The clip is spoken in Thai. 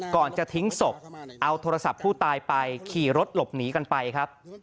ก่อนจะทิ้งศพเอาโทรศัพท์ผู้ตายไปขี่รถหลบหนีกันไปครับ